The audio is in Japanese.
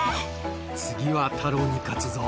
次は太郎に勝つぞ。